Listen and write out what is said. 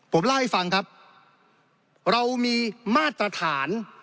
ผมเล่าให้ฟังครับเรามีมาตรฐาน